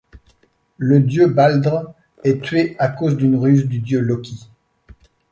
Le dieu Baldr est tué à cause d'une ruse du dieu Loki.